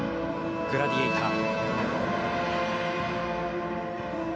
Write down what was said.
「グラディエーター」。